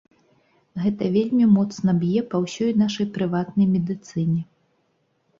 Гэта вельмі моцна б'е па ўсёй нашай прыватнай медыцыне.